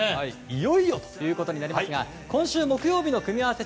いよいよということになりますが今週木曜日の組み合わせ